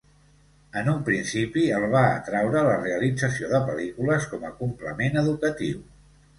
En un principi el va atraure la realització de pel·lícules com a complement educatiu.